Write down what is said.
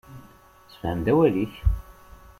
Sefhem-d awal-ik.